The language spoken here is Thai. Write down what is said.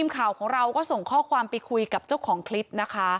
ข่าวของเราก็ส่งข้อความไปคุยกับเจ้าของคลิปนะคะ